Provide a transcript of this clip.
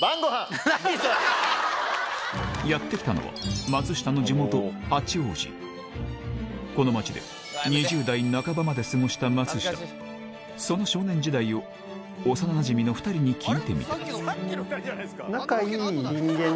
やって来たのはこの街で２０代半ばまで過ごした松下その少年時代を幼なじみの２人に聞いてみたさっきの２人じゃないですか。